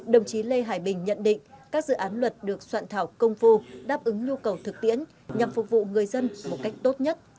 đồng chí lê hải bình nhận định các dự án luật được soạn thảo công phu đáp ứng nhu cầu thực tiễn nhằm phục vụ người dân một cách tốt nhất